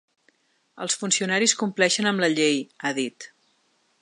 Els funcionaris compleixen amb la llei, ha dit.